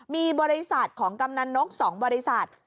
มีบริษัทของกำนันนก๒บริษัท